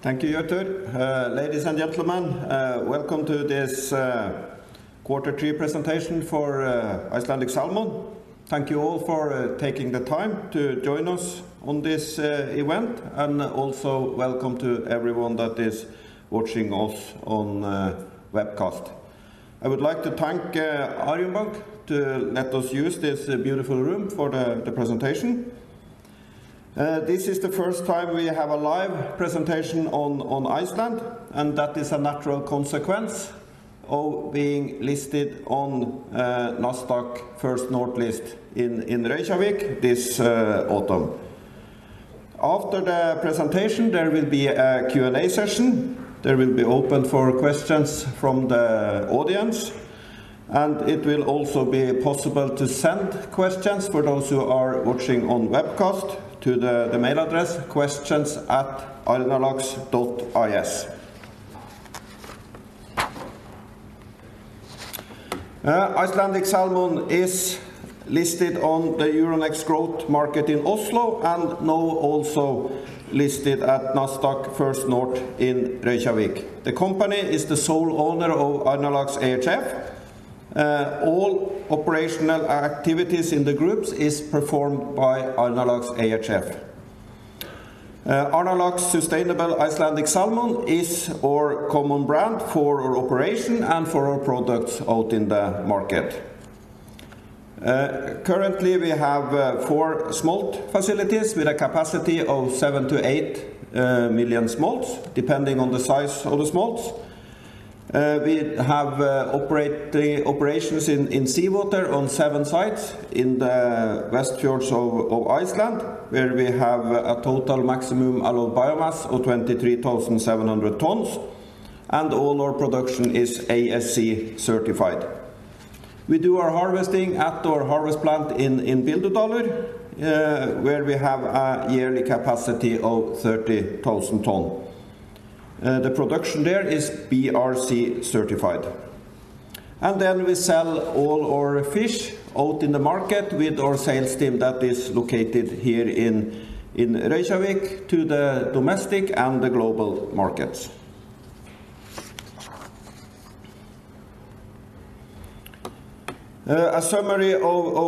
Thank you, Hjörtur. Ladies and gentlemen, welcome to this quarter three presentation for Icelandic Salmon. Thank you all for taking the time to join us on this event, and also welcome to everyone that is watching us on webcast. I would like to thank Arion Bank to let us use this beautiful room for the presentation. This is the first time we have a live presentation on Iceland, and that is a natural consequence of being listed on Nasdaq First North in Reykjavík this autumn. After the presentation, there will be a Q&A session that will be open for questions from the audience, and it will also be possible to send questions for those who are watching on webcast to the mail address, questions@arnarlax.is. Icelandic Salmon is listed on the Euronext Growth market in Oslo, and now also listed at Nasdaq First North in Reykjavík. The company is the sole owner of Arnarlax ehf. All operational activities in the groups is performed by Arnarlax ehf. Arnarlax Sustainable Icelandic Salmon is our common brand for our operation and for our products out in the market. Currently, we have four smolt facilities with a capacity of 7 to 8 million smolts, depending on the size of the smolts. We have operations in seawater on seven sites in the Westfjords of Iceland, where we have a total maximum allowed biomass of 23,700 tons, and all our production is ASC certified. We do our harvesting at our harvest plant in Bíldudalur, where we have a yearly capacity of 30,000 tons. The production there is BRC certified. And then we sell all our fish out in the market with our sales team that is located here in Reykjavík to the domestic and the global markets. A summary of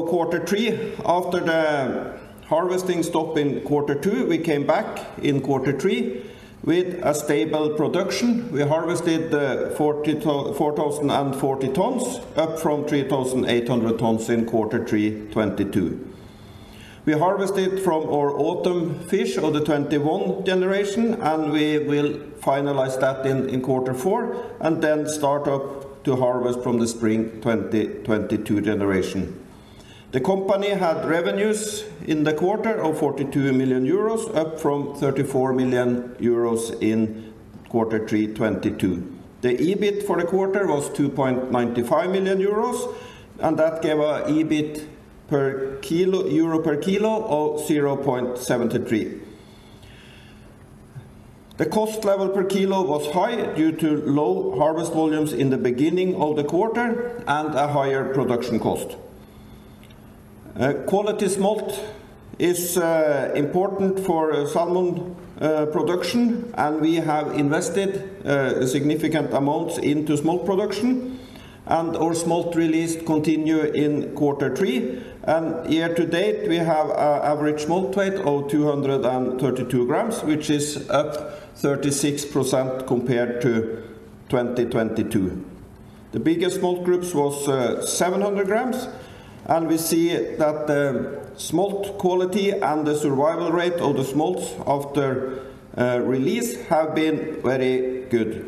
quarter three. After the harvesting stop in quarter two, we came back in quarter three with a stable production. We harvested 4,040 tons, up from 3,800 tons in quarter three 2022. We harvested from our autumn fish of the 2021 generation, and we will finalize that in quarter four, and then start up to harvest from the spring 2022 generation. The company had revenues in the quarter of 42 million euros, up from 34 million euros in quarter three 2022. The EBIT for the quarter was 2.95 million euros, and that gave an EBIT per kilo, euro per kilo of 0.73. The cost level per kilo was high due to low harvest volumes in the beginning of the quarter and a higher production cost. Quality smolt is important for salmon production, and we have invested significant amounts into smolt production, and our smolt release continue in quarter three. Year to date, we have an average smolt weight of 232 grams, which is up 36% compared to 2022. The biggest smolt groups was 700 grams, and we see that the smolt quality and the survival rate of the smolts after release have been very good.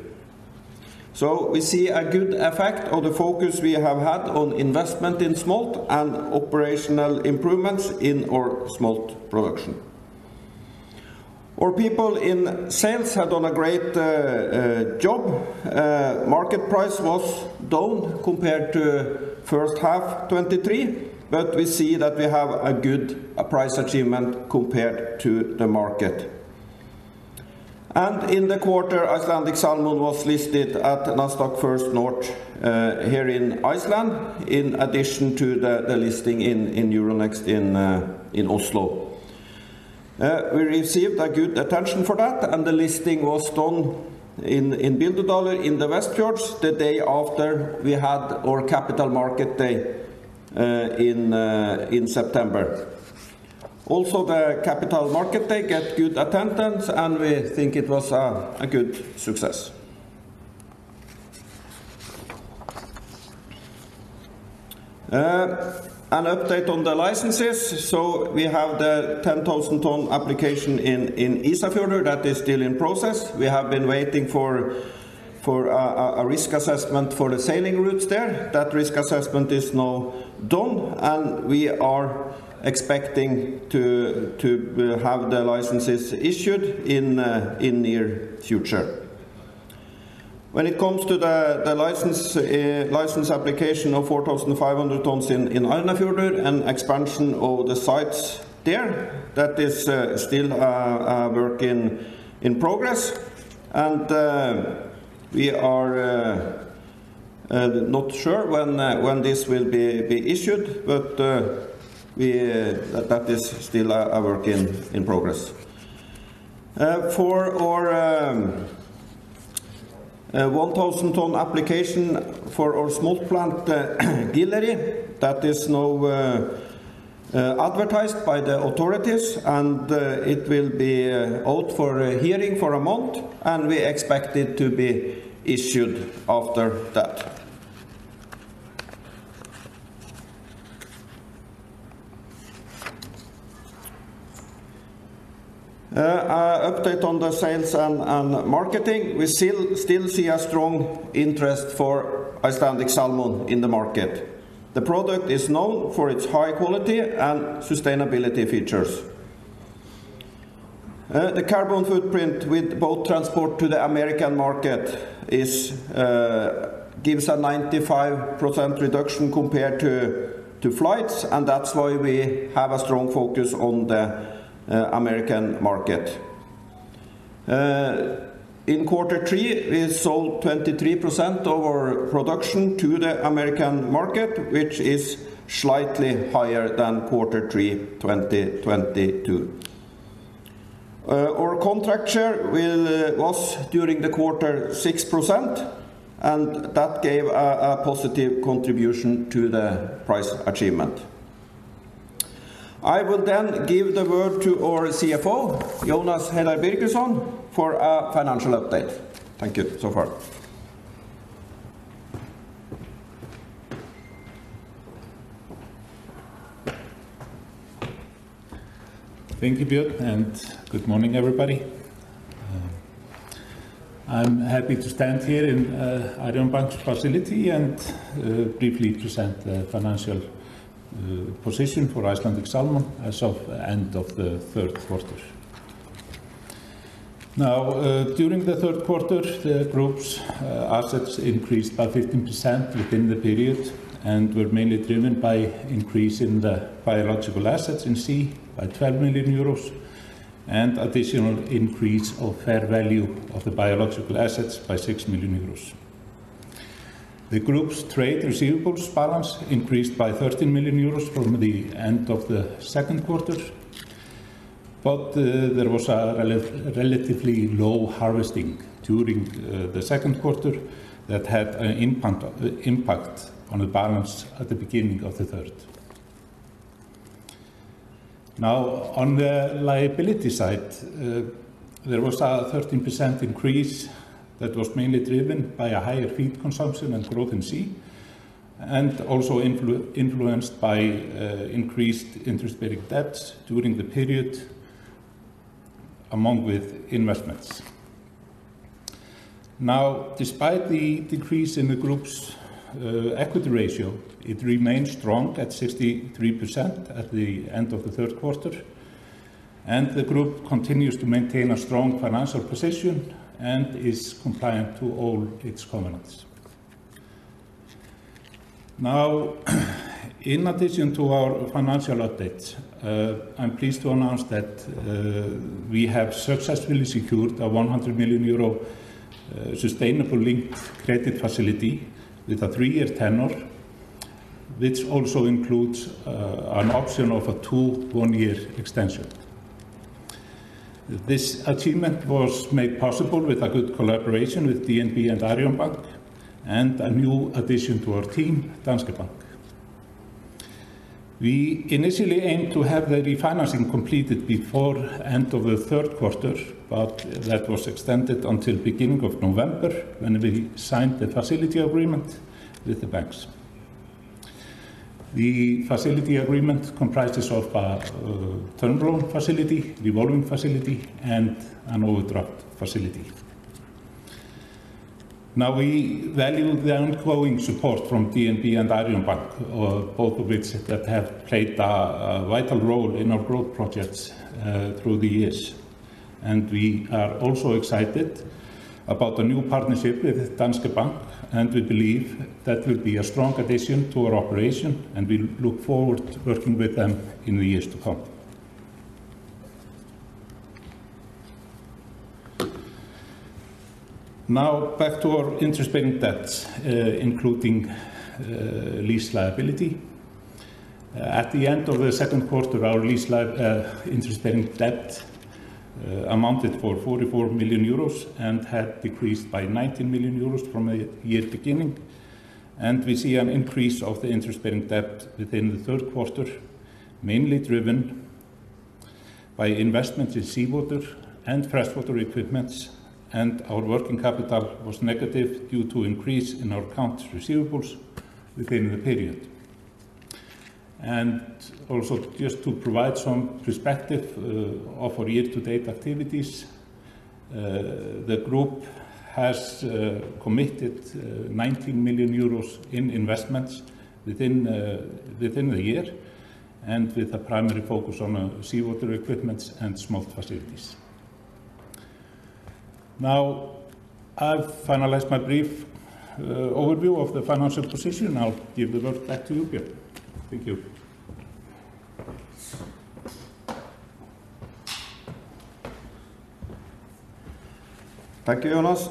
So we see a good effect of the focus we have had on investment in smolt and operational improvements in our smolt production. Our people in sales have done a great job. Market price was down compared to first half 2023, but we see that we have a good price achievement compared to the market. And in the quarter, Icelandic Salmon was listed at Nasdaq First North here in Iceland, in addition to the listing in Euronext in Oslo. We received a good attention for that, and the listing was done in Bíldudalur in the Westfjords the day after we had our Capital Markets Day in September. Also, the Capital Markets Day got good attendance, and we think it was a good success. An update on the licenses. So we have the 10,000-ton application in Ísafjörður that is still in process. We have been waiting for a risk assessment for the sailing routes there. That risk assessment is now done, and we are expecting to have the licenses issued in near future. When it comes to the license application of 4,500 tons in Arnarfjörður and expansion of the sites there, that is still a work in progress. And we are not sure when this will be issued, but that is still a work in progress. For our 1,000-ton application for our smolt plant, Gileyri, that is now advertised by the authorities, and it will be out for a hearing for a month, and we expect it to be issued after that. An update on the sales and marketing. We still see a strong interest for Icelandic salmon in the market. The product is known for its high quality and sustainability features. The carbon footprint with boat transport to the American market gives a 95% reduction compared to flights, and that's why we have a strong focus on the American market. In quarter three, we sold 23% of our production to the American market, which is slightly higher than quarter three, 2022. Our contract share was during the quarter 6%, and that gave a positive contribution to the price achievement. I will then give the word to our Chief Financial Officer, Jónas Heiðar Birgisson, for a financial update. Thank you so far. Thank you, Bjørn, and good morning, everybody. I'm happy to stand here in Arion Bank's facility and briefly present the financial position for Icelandic Salmon as of end of the third quarter. Now, during the third quarter, the group's assets increased by 15% within the period and were mainly driven by increase in the biological assets in sea by 12 million euros, and additional increase of fair value of the biological assets by 6 million euros. The group's trade receivables balance increased by 13 million euros from the end of the second quarter, but there was a relatively low harvesting during the second quarter that had an impact on the balance at the beginning of the third. Now, on the liability side, there was a 13% increase that was mainly driven by a higher feed consumption and growth in sea, and also influenced by increased interest-bearing debts during the period, along with investments. Now, despite the decrease in the group's equity ratio, it remains strong at 63% at the end of the third quarter, and the group continues to maintain a strong financial position and is compliant to all its covenants. Now, in addition to our financial updates, I'm pleased to announce that we have successfully secured a 100 million euro sustainable linked credit facility with a three-year tenure, which also includes an option of a two one-year extension. This achievement was made possible with a good collaboration with DNB and Arion Bank, and a new addition to our team, Danske Bank. We initially aimed to have the refinancing completed before end of the third quarter, but that was extended until beginning of November, when we signed the facility agreement with the banks. The facility agreement comprises of a term loan facility, revolving facility, and an overdraft facility. Now, we value the ongoing support from DNB and Arion Bank, both of which that have played a vital role in our growth projects through the years. And we are also excited about the new partnership with Danske Bank, and we believe that will be a strong addition to our operation, and we look forward to working with them in the years to come. Now, back to our interest-bearing debts, including lease liability. At the end of the second quarter, our interest-bearing debt amounted for 44 million euros and had decreased by 19 million euros from a year beginning. We see an increase of the interest-bearing debt within the third quarter, mainly driven by investments in seawater and freshwater equipments, and our working capital was negative due to increase in our accounts receivables within the period. Also, just to provide some perspective of our year-to-date activities, the group has committed 19 million euros in investments within the year, and with a primary focus on seawater equipments and smolt facilities. Now, I've finalized my brief overview of the financial position. I'll give the word back to you, Bjørn. Thank you. Thank you, Jónas.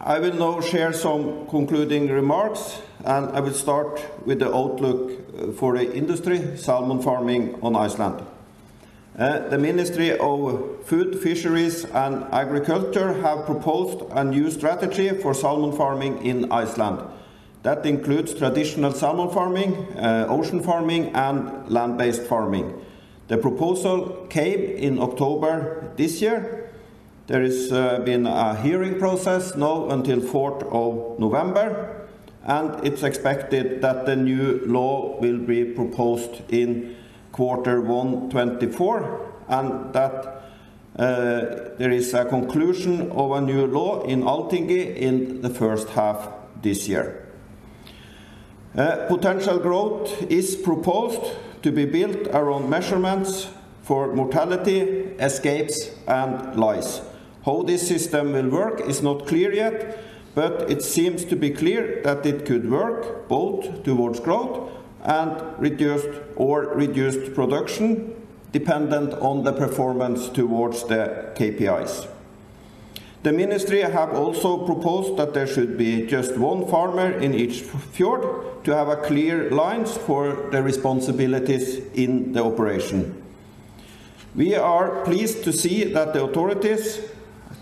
I will now share some concluding remarks, and I will start with the outlook for the industry, salmon farming on Iceland. The Ministry of Food, Fisheries and Agriculture have proposed a new strategy for salmon farming in Iceland. That includes traditional salmon farming, ocean farming, and land-based farming. The proposal came in October this year. There is been a hearing process now until fourth of November, and it's expected that the new law will be proposed in quarter one 2024, and that there is a conclusion of a new law in Althingi in the first half this year. Potential growth is proposed to be built around measurements for mortality, escapes, and lice. How this system will work is not clear yet, but it seems to be clear that it could work both towards growth and reduced - or reduced production, dependent on the performance towards the KPIs. The ministry have also proposed that there should be just one farmer in each fjord to have a clear lines for the responsibilities in the operation. We are pleased to see that the authorities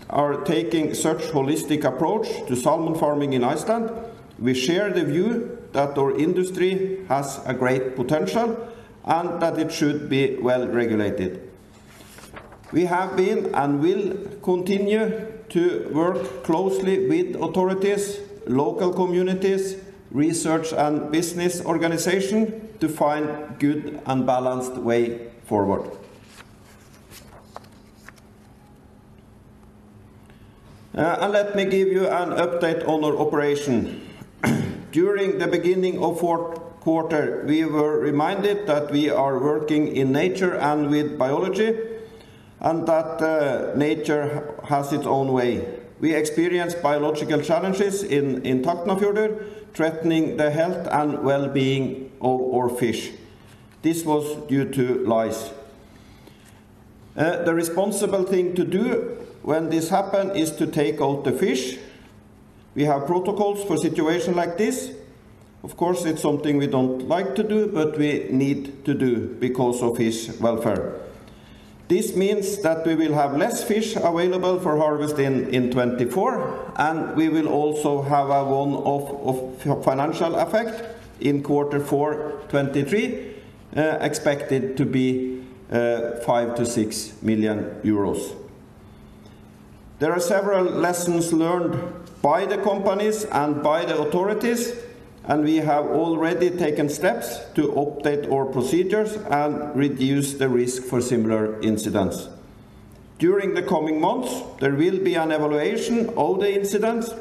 are taking such holistic approach to salmon farming in Iceland. We share the view that our industry has a great potential and that it should be well-regulated. We have been and will continue to work closely with authorities, local communities, research and business organization to find good and balanced way forward. And let me give you an update on our operation. During the beginning of fourth quarter, we were reminded that we are working in nature and with biology, and that, nature has its own way. We experienced biological challenges in Tálknafjörður, threatening the health and well-being of our fish. This was due to lice. The responsible thing to do when this happen is to take out the fish. We have protocols for situation like this. Of course, it's something we don't like to do, but we need to do because of fish welfare. This means that we will have less fish available for harvest in 2024, and we will also have a one-off of financial effect in quarter four 2023, expected to be 5 million to 6 million. There are several lessons learned by the companies and by the authorities, and we have already taken steps to update our procedures and reduce the risk for similar incidents. During the coming months, there will be an evaluation of the incidents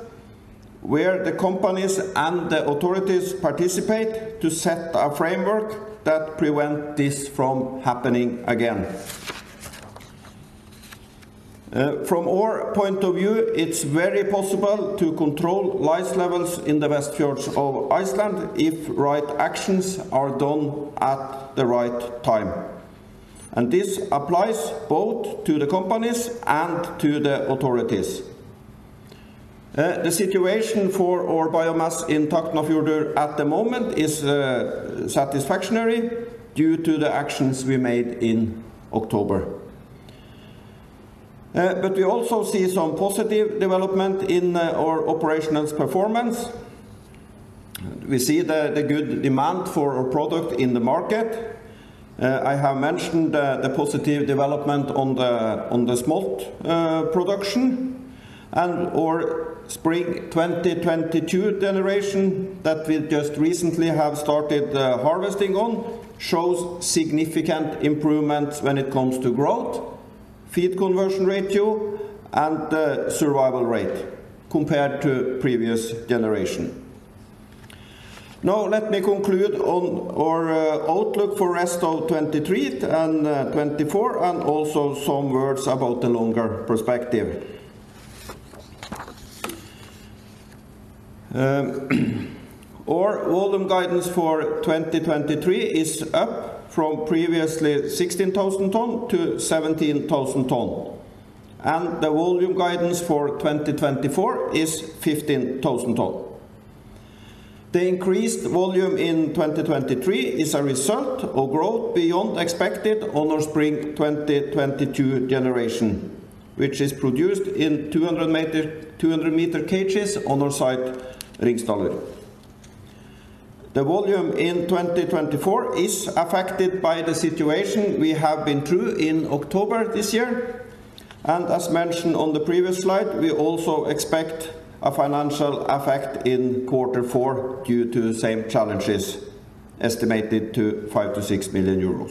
where the companies and the authorities participate to set a framework that prevent this from happening again. From our point of view, it's very possible to control lice levels in the Westfjords of Iceland if right actions are done at the right time, and this applies both to the companies and to the authorities. The situation for our biomass in Tálknafjörður at the moment is satisfactory due to the actions we made in October. But we also see some positive development in our operational performance. We see the good demand for our product in the market. I have mentioned the positive development on the smolt production and our spring 2022 generation that we just recently have started harvesting on shows significant improvements when it comes to growth, feed conversion ratio, and survival rate compared to previous generation. Now, let me conclude on our outlook for rest of 2023 and 2024, and also some words about the longer perspective. Our volume guidance for 2023 is up from previously 16,000 tons to 17,000 tons, and the volume guidance for 2024 is 15,000 tons. The increased volume in 2023 is a result of growth beyond expected on our spring 2022 generation, which is produced in 200-meter, 200-meter cages on our site, Hringsdalur. The volume in 2024 is affected by the situation we have been through in October this year, and as mentioned on the previous slide, we also expect a financial effect in quarter four due to the same challenges, estimated to 5 million to 6 million.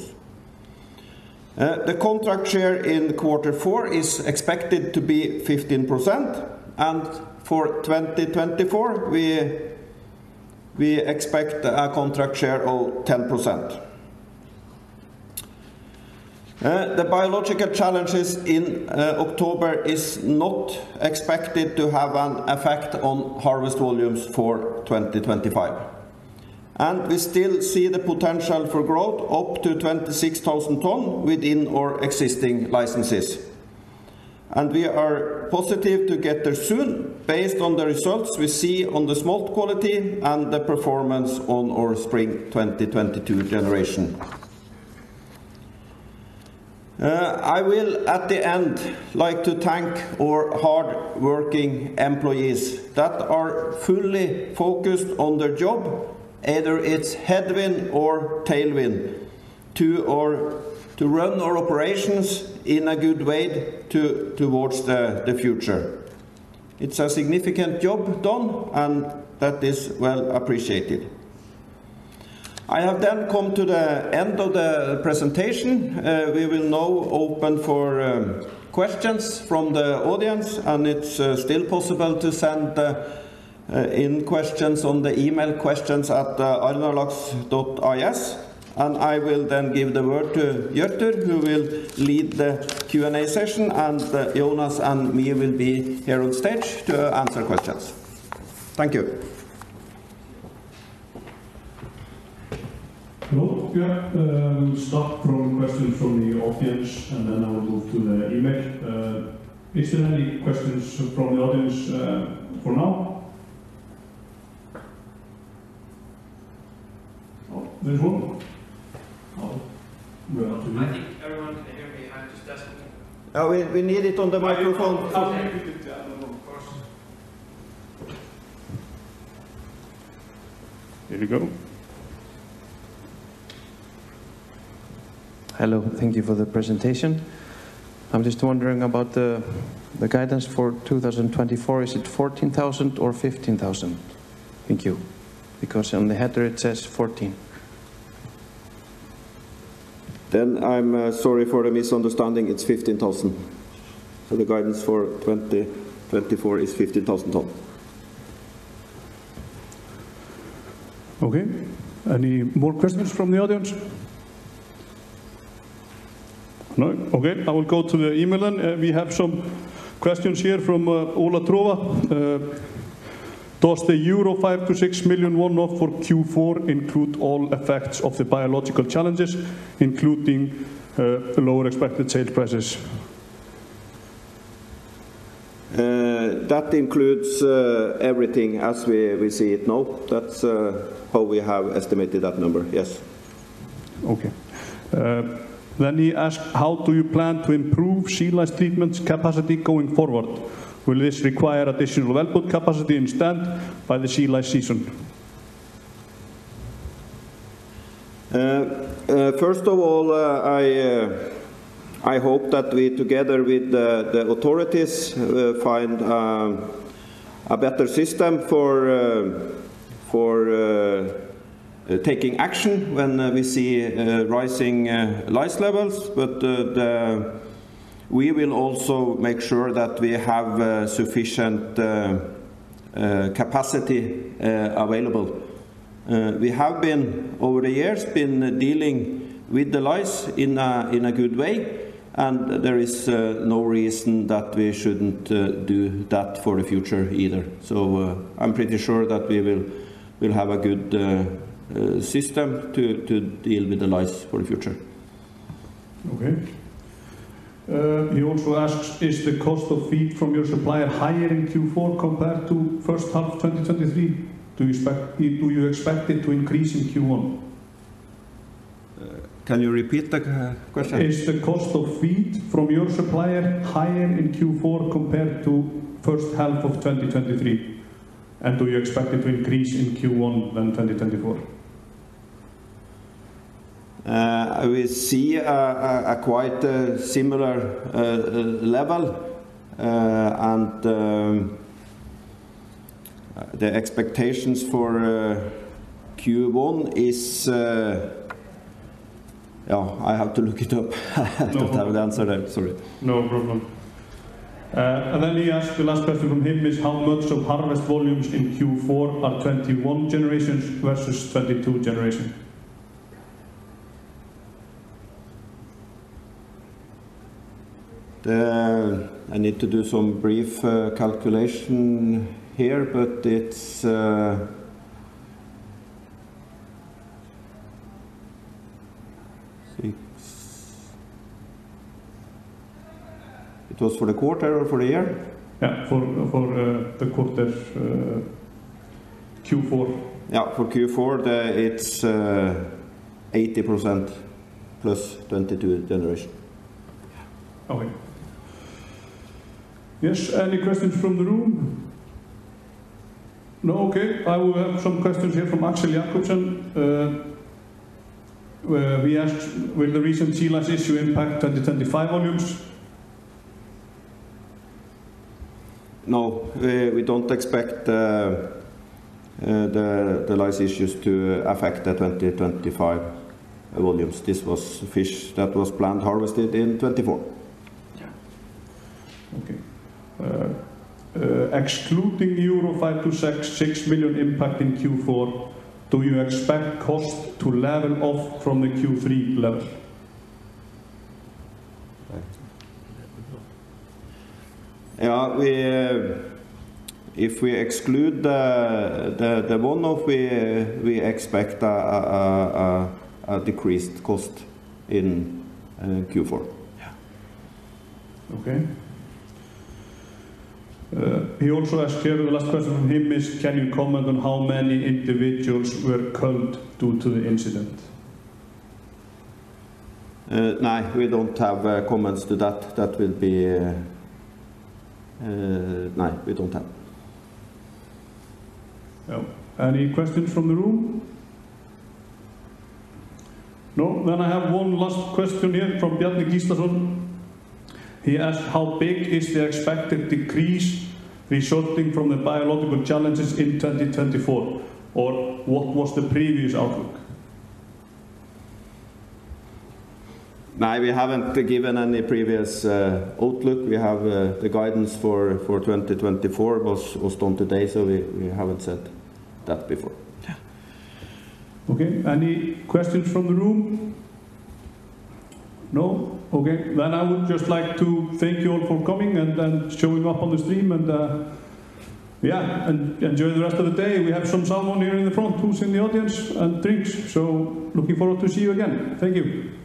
The contract share in quarter four is expected to be 15%, and for 2024, we expect a contract share of 10%. The biological challenges in October is not expected to have an effect on harvest volumes for 2025, and we still see the potential for growth up to 26,000 tons within our existing licenses. And we are positive to get there soon based on the results we see on the smolt quality and the performance on our spring 2022 generation. I will at the end like to thank our hardworking employees that are fully focused on their job, either it's headwind or tailwind, to run our operations in a good way towards the future. It's a significant job done, and that is well appreciated. I have then come to the end of the presentation. We will now open for questions from the audience, and it's still possible to send in questions on the email questions@arnarlax.is. I will then give the word to Hjörtur, who will lead the Q&A session, and Jónas and me will be here on stage to answer questions. Thank you. Hello, yeah. We'll start from questions from the audience, and then I will move to the email. Is there any questions from the audience, for now? Oh, there's one. Oh, well. I think everyone can hear me. I'm just testing. Oh, we need it on the microphone. Okay, we get the other one, of course. Here we go. Hello, thank you for the presentation. I'm just wondering about the guidance for 2024. Is it 14,000 or 15,000? Thank you. Because on the header it says 14. I'm sorry for the misunderstanding. It's 15,000. The guidance for 2024 is 15,000 ton. Okay. Any more questions from the audience? No. Okay, I will go to the email then. We have some questions here from Ola Trovatn. "Does the euro 5 million to 6 million one-off for Q4 include all effects of the biological challenges, including the lower expected sale prices? That includes everything as we see it now. That's how we have estimated that number. Yes. Okay. Then he asked: "How do you plan to improve sea lice treatment capacity going forward? Will this require additional output capacity in stand by the sea lice season? First of all, I hope that we, together with the authorities, find a better system for taking action when we see rising lice levels. But we will also make sure that we have sufficient capacity available. We have been, over the years, dealing with the lice in a good way, and there is no reason that we shouldn't do that for the future either. So, I'm pretty sure that we'll have a good system to deal with the lice for the future. Okay. He also asks, "Is the cost of feed from your supplier higher in Q4 compared to first half of 2023? Do you expect it to increase in Q1? Can you repeat the question? Is the cost of feed from your supplier higher in Q4 compared to first half of 2023? And do you expect it to increase in Q1 than 2024? We see a quite similar level. The expectations for Q1 is... Oh, I have to look it up. I don't have the answer there. Sorry. No problem. And then he asks, the last question from him is: "How much of harvest volumes in Q4 are 21 generations versus 22 generation? I need to do some brief calculation here, but it was for the quarter or for the year? Yeah, for the quarter, Q4. Yeah, for Q4, it's 80% plus 22 generation. Okay. Yes, any questions from the room? No. Okay, I will have some questions here from Axel Jacobsen. He asked, "Will the recent sea lice issue impact 2025 volumes? No, we don't expect the lice issues to affect the 2025 volumes. This was fish that was planned harvested in 2024. Yeah. Okay. "Excluding euro 5 million to 6.6 million impact in Q4, do you expect cost to level off from the Q3 level? Yeah, if we exclude the one-off, we expect a decreased cost in Q4. Yeah. Okay. He also asked here, the last question from him is: "Can you comment on how many individuals were culled due to the incident? No, we don't have comments to that. That will be... No, we don't have. Yeah. Any questions from the room? No. Then I have one last question here from Bjarni Gíslason. He asked: "How big is the expected decrease resulting from the biological challenges in 2024, or what was the previous outlook? No, we haven't given any previous outlook. We have the guidance for 2024 was done today, so we haven't said that before. Yeah. Okay, any questions from the room? No. Okay. Then I would just like to thank you all for coming and showing up on the stream, and, yeah, and enjoy the rest of the day. We have some salmon here in the front, who's in the audience, and drinks. So looking forward to see you again. Thank you.